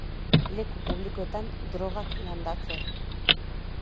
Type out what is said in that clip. Leku publikoetan drogak landatzea.